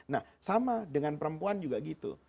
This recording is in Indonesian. nah sama dengan perempuan juga gitu